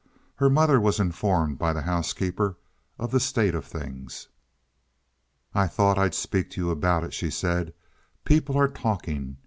Her mother was informed by the housekeeper of the state of things. "I thought I'd speak to you about it," she said. "People are talking.